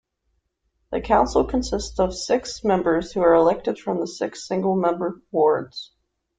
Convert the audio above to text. The council consists of six members who are elected from the six single-member wards.